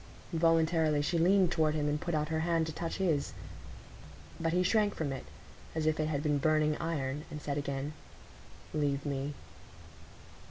Involuntarily she leaned toward him and put out her hand to touch his. But he shrank from it as if it had been burning iron, and said again,— "Leave me."